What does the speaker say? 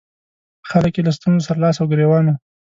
خلک یې له ستونزو سره لاس او ګرېوان وو.